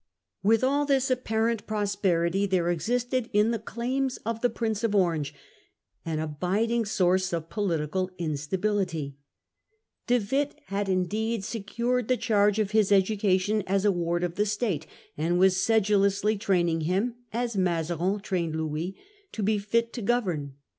With all this apparent prosperity there existed, in the claims of the Prince of Orange, fan abiding source of Political political instability. De Witt had indeed instability of secured the charge of his education as a ward Republic, of the State, and was sedulously training him, UiePrinceof as M azar i n trained Louis, to be fit to govern. Orange.